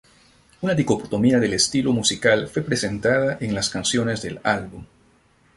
Una dicotomía del estilo musical fue presentada en las canciones del álbum.